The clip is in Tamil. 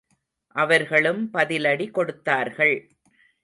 அவர்களும் பதிலடி கொடுத்தார்கள்.